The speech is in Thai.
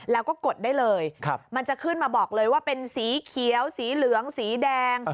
แล้วก็กดได้เลยมันจะขึ้นมาบอกเลยว่าเป็นสีเขียวสีเหลืองสีแดง